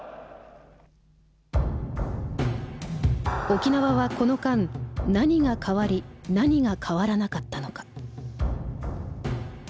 沖縄はこの間何が変わり何が変わらなかったのか。